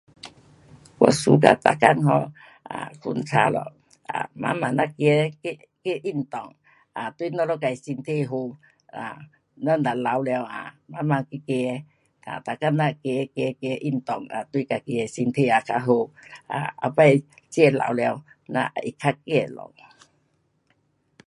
我喜欢每天 [unintelligible] 慢慢走走运动对我们身体好我们老了慢慢走每天走走走运动也对身体有好处下次老了还可以走路